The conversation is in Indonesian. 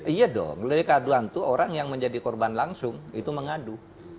iya dong dari kaduan itu orang yang menjadi korban langsung itu mengadu